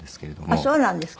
あっそうなんですか。